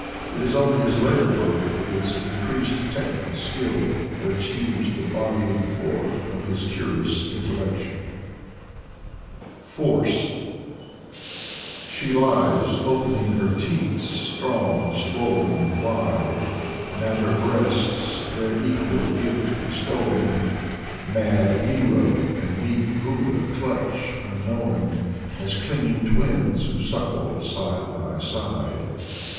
It is only his later work, with its in creased technical skill, that achieves the bodying forth of his curious intellection. S3 54 N. Minsky FORCE She lies, opening her teats, strong, swollen, wide, And at her breasts, their equal gift bestowing. Mad Nero and meek Buddha clutch, unknowing, As clinging twins who suckle side by side.